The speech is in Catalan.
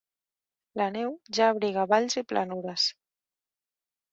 La neu ja abriga valls i planures.